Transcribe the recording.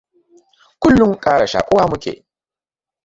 Kullum kara shakuwa mu ke.